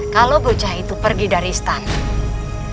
kalau bocah itu pergi dari istana